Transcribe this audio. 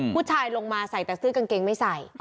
ผู้ชายลงมาใส่แต่ซื้อกางเกงไม่ใส่